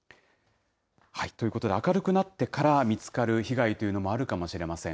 ということで、明るくなってから見つかる被害というのもあるかもしれません。